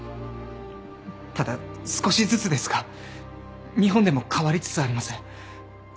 ただ少しずつですが日本でも変わりつつあります。